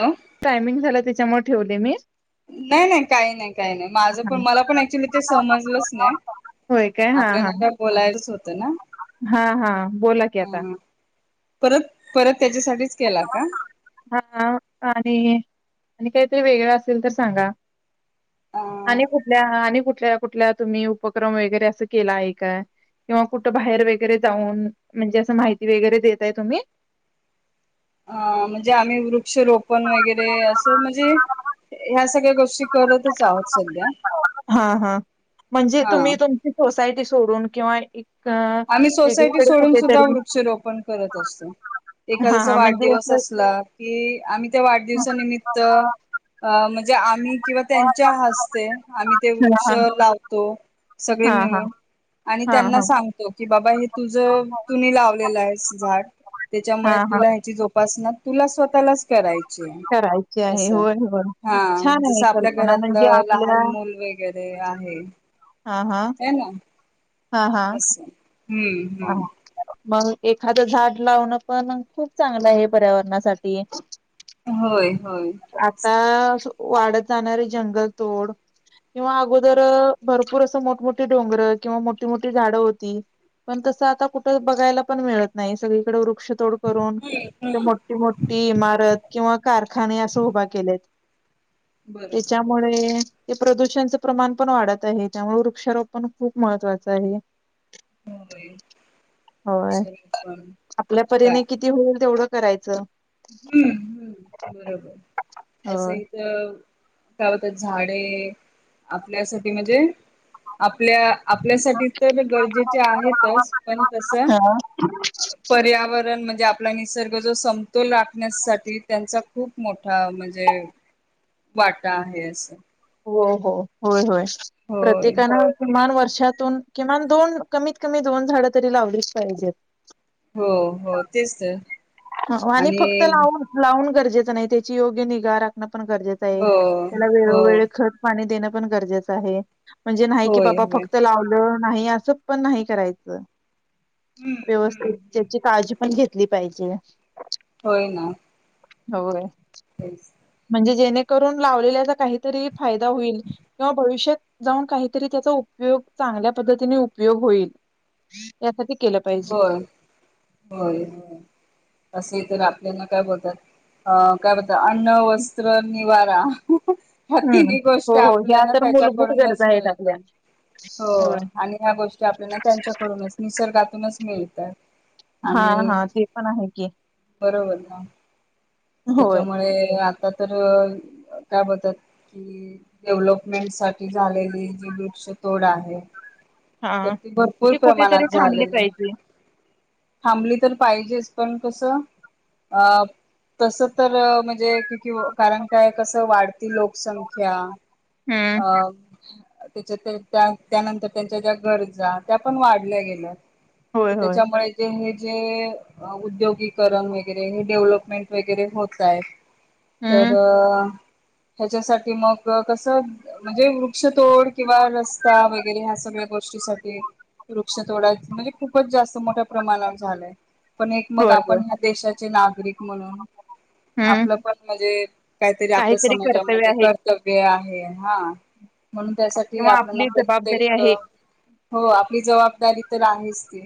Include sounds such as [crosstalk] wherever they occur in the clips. Hello timing झाला त्याच्यामुळे ठेवले मी नाही नाही काही नाही काही नाही माझ पण मला पण ऍक्च्युली ते समजलंच नाही होय काय हा हा आपल्याना बोलायच होतं ना हा हा बोला की आता ह परत परत त्याच्यासाठीच केला का हा आणि आणि काहीतरी वेगळं असेल तर सांगा अ आणि कुठल्या आणि कुठल्या कुठल्या तुम्ही उपक्रम वगैरे असं केला आहे का? किंवा कुठं बाहेर वगैरे जाऊन म्हणजे असं माहिती वगैरे देताय तुम्ही अ म्हणजे आम्ही वृक्षरोपण वगैरे असं म्हणजे ह्या सगळ्या गोष्टी करतच आहोत सध्या हा हा म्हणजे हा तुम्ही तुमची सोसायटी सोडून किंवा एक आम्ही सोसायटी वेगळीकडे सोडून सुद्धा कुठेतरी वृक्षरोपण करत असतो. हा एखाद्याचा हा म्हणजे वाढदिवस असं असला की आम्ही त्या वाढदिवसानिमित्त अ म्हणजे आम्ही किंवा त्यांच्या हस्ते आम्ही ते हा वृक्ष लावतो. सगळे हा हा मिळून आणि हा हा त्यांना हा. सांगतो. की बाबा हे तुझ तुनी लावलेलं आहेस झाड हा त्याच्यामुळे हा हा तुला ह्याची झोपा उपासना तुला स्वतःलाच कराय ची करायची आहे अस होय होय. हा छान जस आहे आपल्या कल्पना म्हणजे घरातलं आपल्या लहान मुल वगैरे आहे. हा हा हे ना हा हा असं हम्म हा हम्म मग एखादं झाड लावणं पण खूप चांगलंयं हे पर्यावरणासाठी होय होय तेच आता वाढत जाणारे जंगल तोड किंवा अगोदर भरपूर असं मोठमोठीे डोंगरं किंवा मोठीमोठी झाडं होती. पण तसं आता कुठं बघायला पण मिळत नाही सगळीकड वृ क्षतोड करून हम्म तिथं हम्म मोठी मोठी इमारत किंवा कारखाने असं उभा केलेत. बरोबर. त्याच्यामुळे ते प्रदूषणचं प्रमाण पण वाढत आहे. त्यामुळे वृक्षारोपण खूप महत्त्वाचं आहे. होय होय. मिक्सरने पण आपल्या काय परीने किती होईल तेवढं करायचं. हम्म हं बरोबर होय. असंही त काय होत झाडे आपल्यासाठी म्हणजे आपल्या आपल्यासाठी तर गरजेचे आहेतच पण तसं हा पर्यावरण म्हणजे आपला निसर्ग जो सं तोल राखण्यासाठी त्यांचा खूप मोठा म्हणजे वाटा आहे. असं हो हो होय होय होय प्रत्येका कीमान वर्षी तुनं किमान दोन कमीत कमी दोन झाड तरी लावलीच पाहिजेत. हो हो तेच तर हो आणि फक्त लावून लावून गरजेचं नाही त्याची योग्य निगा राख ण पण गरजेचं आहे. हो त्याला हो वेळोवेळी खत पाणी देणं पण गरजेचं आहे. म्हणजे नाही की होय बापा होय फक्त लावलं नाही. असं पण नाही करायचं. हम्म हम्म व्यवस्थित हम्म त्याची काळजी पण घेतली पाहिजे. होय ना. होयं. [inaudible] म्हणजे जेणेकरून लावलेल्याचा काहीतरी फायदा होईल किंवा भविष्यात जाऊन काहीतरी त्याचा उपयग योग चांगल्या पद्धतीने उपयोग होईल. या साठी होय होय होय. असे तर आपल्याला काय बोलतात अ काय बोलतात अन्न वस्त्र निवारा- ह्या हम्म तिन्ही हो गोष्टी हो ह्या आपल्याना तर मूलभूत त्याच्याकडूनच गरजा आहेत आपल्या. मिळता हो होय. आणि ह्या गोष्टी आपल्याला त्यांच्याकडूनच निसर्गातूनच मिळतात. हा आणि हा ते पण आहे की, बरोबर ना होय. त्याच्यामुळे आता तर अ काय बोलतात की डेव्हलपमेंट साठी झालेली जी वृक्षतोड आहे. तर हां. ती भरपूर ती कुठेतरी प्रमाणात थांबली झालेलीये. पाहिजे. थांबली तर पाहिजेच पण कसं अ तस तर म्हणजे की क कारण काय कसं वाढतील लोकसंख्या हम्म. अ त्याच्या त्या त्या त्यानंतर त्यांच्या ज्या गरजा त्या पण वाढल्या गेल्या. होय, होय. त्याच्यामुळेे जे उद्योगीकरण वगरे हे डेव्हलपमेंट वगैरे होत आहेत तर हम्म. ह्याच्यासाठी मग कस म्हणजे वृक्षतोड किंवा रस्ता वगैरे ह्या सगळ गोष्टी सा वृक्षतोडा म्हणजे खूपच जास्त मोठ्या प्रमाणावर झालंय पण एक मग होय, होय. आपण ह देशाचे नागरिक म्हणून हम्म. आपलं पण म्हणजे काहीतरी आपल्या कर्तव्य समाजामध्ये आहे कर्तव्य आहे हा म्हणून त्यासाठी किंवा आपल्याला आपली जबाबदारी प्रत्येक आहे. हो आपली जबाबदारी आहेच ते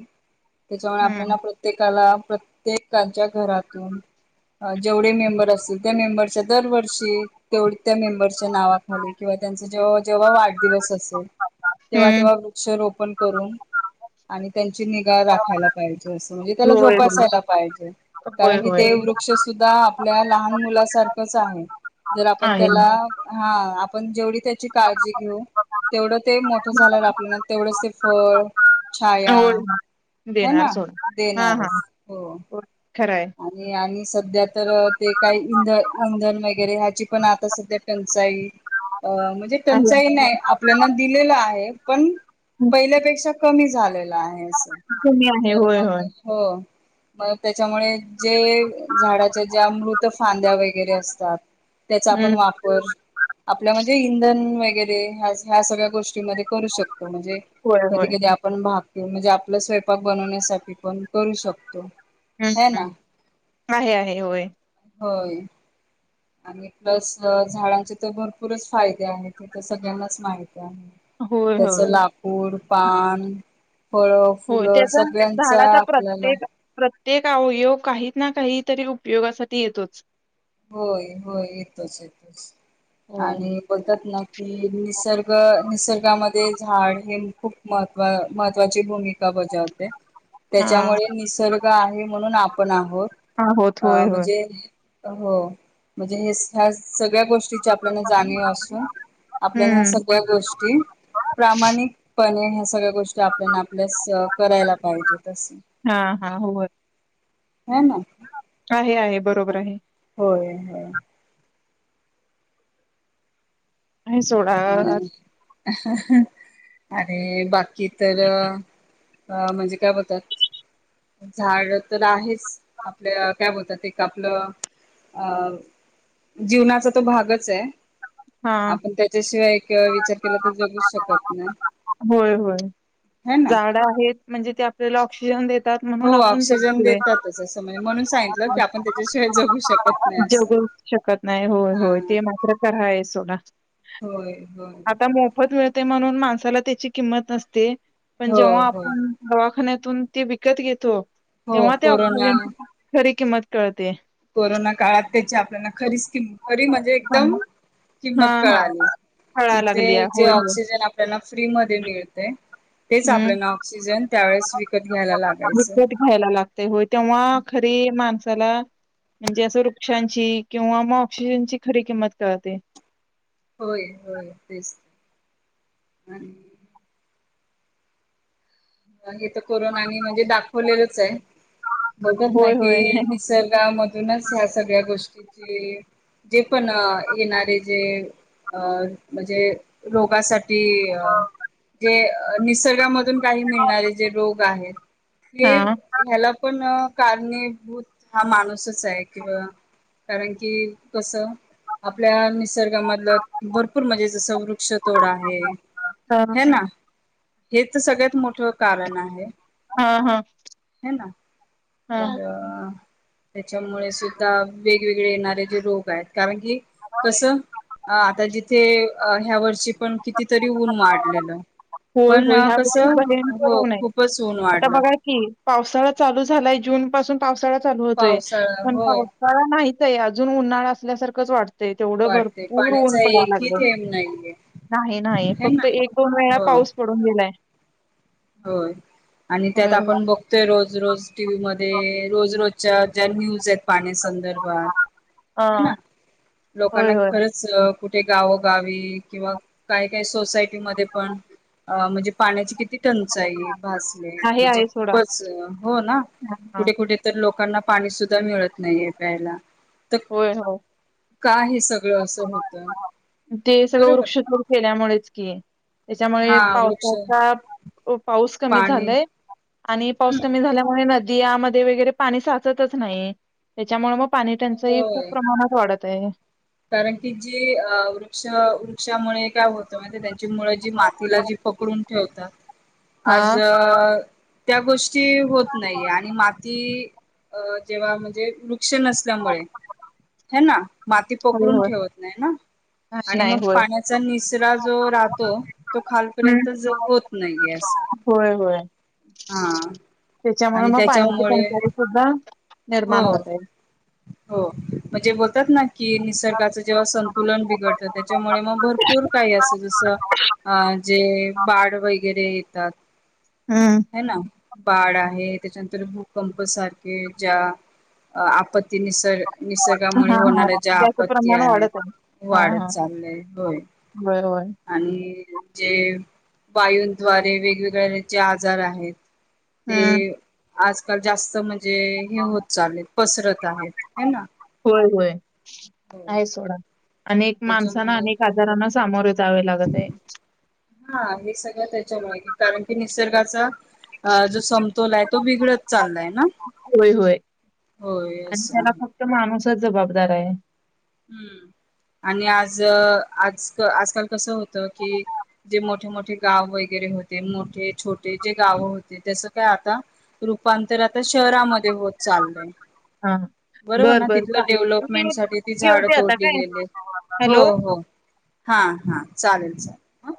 त्याच्यामुळे हम्म. आपल्याला प्रत्येकाला प्रत्येकाच्या घरातून जेवढे मेंबर असतील त्या मेंबरच्या दरवर्षी तेवढ त्या मेंबर नावाखाली किंवा त्यांच जेव्हा जेव्हा वाढ दिवस असे तेव्हा हम्म. तेव्हा वृक्ष रोपण करून आणि त्यांची निगा राखायला पाहिजे असं म्हणजे त्याला होय, होय. जोपासायला पाहिजे होय, कारण की होय. ते वृ श सुद्धा आपल्या लहान मुलासारखाच आहे जर आपण आहे. त्याला हा आपण जेवढी त्याची काळजी घेऊ तेवढं ते मोठं झालं आपल्याला तेवढंच ते फळ, छाया होय, हे देणार ना सोड. हां, हां. देणारच हो. होय, खरं आहे. आणि आणि सध्या तर ते काही इंध इंधन वगैरे ह पण आता सध्या टंचाई अ म्हणजे आहे. टंचाई नाही आपल्याना दिलेलं आहे पण पहिल्यापेक्षा कमी झालेला आहे अस कमी आहे. तर होय, मग होय. हो मग त्याच्यामुळे जे झाडाच्या ज्या मृत फांद्या वगैरे असतात. त्याचा आपण हं. वापर आपल्यामध्ये जे इंधन वगैरे ह्या सगळ्या गोष्टीमध्ये करू शकतो म्हणजे होय, कधी होय. कधी आपण म्हणजे आपला स्वयंपाक बनवण्यासाठी पण करू शकतो. है हम्म ना आहे आहे होय. होय. आणि प्लस झाडांचे तर भरपूरच फायदे आहेत हे तर सगळ्यांनाच माहित ती होय, त्याच होय. लाकूड पान फळ होय फुलं त्याचा सगळ्यांचा आपल्याला ते अवयोग काही ना काहीतरी उपयोगासाठी येतोच होय होय येतोच येतोच होय. आणि बोलतात ना कि निसर्ग निसर्गामध्ये झाड हे खूप महत् महत्त्वाची भूमिका ब बजवते हा त्याच्यामुळे निसर्ग आहे म्हणून आपण आ होत हा होत होय होय. म्हणजे हो म्हणजे ह्या सगळ्या गोष्टी आपल्याला जाणीव असून आपल्याला ह्या हम्म. सगळ्या गोष्टी प्रामाणिक पणे सगळ्या गोष्टी आपल्याला आपल्यास करायला पाहिजे तसं. हा हा होय हां ना. आहे आहे बरोबर आहे. होय होय आहे सोडा [unintelligible] अरे बाकी तर अ म्हणजे काय बोलतात झाड तर आहेच आपल्या काय बोलतात एक आपलं अ जीवनाचा तो भागच आहे. हां. शिवाय एक विचार केला तर जगूच शकत नाही होय होय ह ना झाडं आहेत म्हणजे ते आपल्याला ऑ ऑस्किजन देत हो ऑक्सिजन देतातच अस म्हणजे म्हणून सांगितलं की आपण त्याच्या शिवाय जगू शकत नाही असं. जगू शकत नाही होय-होय ते मात्र खराय सोडा होय-होय, आता मोफत मिळते म्हणून माणसाला त्याची किंमत नसते पण हो जेव्हा होय आपण दवाखान्यात ते विकत घेतो हो तेव्हा त्या कोरोना ऑक्सिजनची खरी किंमत कळते, कोरोना काळात त्याची आपल्याला खरीच खरी म्हणजे एकदम हा किंमत हा कळाली कि कळायला ते लागलीया जे होय होय ऑक्सिजन आपल्याला फ्री मधे मिळते तेच आपल्याला ऑक्सिजन त्यावेेळेस विकत घ्यायला लागायचं निकट घ्यायला लागते होय तेव्हा खरी माणसाला, म्हणजे असं वृक्षांची किंवा मग ऑक्सिजनची खरी किंमत कळते होय होय तेच आणि [inaudible] हे तर कोरोनानी म्हणजे दाखवलेलंच आहे. बघत ना होय कि होय. निसर्गामधूनच ह्या सगळ्या गोष्टी, ज जे पण येणारे जे, अ म्हणजे रोगासाठी जे निसर्गामधून काही मिळणारे जे रोग आहेत हे हा ह्याला पण कारणीभूत हा माणूसच आहे किंवा कारण की कसं आपल्या निसर्गामधलं भरपूर म्हणजे जसं वृक्ष तोड आहे हा ह ना हेच सगळ्यात मोठं कारण आहे. हा-हा हे ना [inaudible] तर त्याच्यामुळे सुद्धा वेगवेगळे येणारे जे रोग आहेत. कारण की कसं आता जिथे ह्या वर्षी पण किती, तरी ऊन वाढलेलं पण होय-होय ह्या वर्षी कसं भयंकर हो ऊनय खूपच ऊन आता वाढलं बघा की पावसाळा चालू झालाय जून पासून पावसाळा चालू होतोय पावसाळा पण होय पावसाळा नाहीय अजून उन्हाळा असल्यासारखंच वाढत ते तेवढं वाढते भरपूर ऊन पाण्याचा पडायला एकही लागलं थेंब नाहीये नाही नाही है फक्त तर ना एक दोन वेळा हो पाऊस पडून गेलाय होय आणि त्यात होय. आपण बघतोय रोज रोज टीव्ही मध्ये, ते रोज रोजच्या ज्या न्यूज य पाण्या संदर्भात हा हे ना लोकांना होय होय. खरंच कुठे गावोगावी किंवा काही काही सोसायटीमध्येध्ये पण म्हणजे पाण्याची किती टंचाई भासेल आहे म्हणजे आहे सोडा. खूपच हो ना हा हा. कुठे कुठे तर लोक लोकांना पाणी सुद्धा मिळत नाहीये प्यायला [inaudible] तर होय, होय. का हे स सगळं असं होत. ते सगळं वृक्षतोड केल्यामुळेच की त्याच्यामुळे हा वृक्ष पावसाचा पाऊस कमी पाणी झालाय, आणि पाऊस हम्म कमी झाल्यामुळे नदीयामध्ये वगैरे पाणी साचतच नाही त्याच्यामुळे मग पाणी टंचाई खूप होय प्रमाणात वाढत आहे. कारण की जी अ वृक्ष वृक्षामुळे काय होत माहि त्यां मातीला जी पकडून ठेवतात हा आज त्या गोष्टी होत नाही आणि म ती अ जेव्हा म्हणजे वृक्ष नसल्यामुळे ह ना म ती होय, पकडून होय. ठेवत नाही ना नाही आणि नाही. मग होय. पाण्याचा निसरा जो राहतो तो खालपर्यंत होत नाहीे अस होय-होय त्याच्यामुळे आणि मग पाण्याची त्याच्यामुळे टचाई सुद्धा हो निर्माण होत आहे. हो म्हणजे बोलतात ना, कि निसर्गाचं जेव्हा संतुलन बिघडतं त्याच्यामुळे मग भरपूर काही असं जसं अ जे बाळ वगैरे येतात हम्म. ह ना, बाढ आहे त्याच्यानंतर भूकंप सारखे ज्या आपत् ते निसर्ग हा निसर्गामुळे हा होणार आहेत त्याचं आपत्ती प्रमाण आहेत वाढत आहे. हा वाढत हा चालले होय होय होय. आणि जे वायूंद्वारे वेगवेगळ्या जे आजार आहेत ते हम्म. आजकाल जास्त म्हणजे हे होत चालेत पसरत आहेत हे ना हो आहे सोडा अनेक माणसा त्याच्यामुळे अनेक आजारां सामोर येत जावे लागत आहे हा हे सगळं त्याच्या मा कारण की निसर्गाचा अ जो समतोल आहे तो बिघडत चाललाय ना होय होय होय असस आहे त जबाबदार आहे हम्म आणि आज आज आजकाल कसं होतं की जे मोठे मोठे गाव वगैरे होते मोठे छोटे जे गावं होते जसं काय आता तु रूपांतर आता शहरामध्ये होत चाललंय हा बरोबर बर ना बर तिथलं चा मी डेव्हलपमेंट साठी झाड ठेवते आता तोडली काय गेले हो हॅलो हो हा हा चालेल चालेल ह